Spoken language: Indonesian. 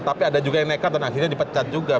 tapi ada juga yang nekat dan akhirnya dipecat juga